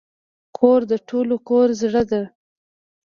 خور د ټول کور زړه ده.